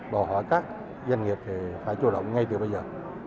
bỏ hỏi các doanh nghiệp phải chủ động ngay từ bây giờ